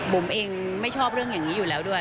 เองไม่ชอบเรื่องอย่างนี้อยู่แล้วด้วย